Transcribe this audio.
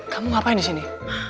kamu ngapain di sini